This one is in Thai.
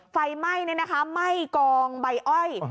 ไฟม่ายนี่ม่ายกองใบอ้อย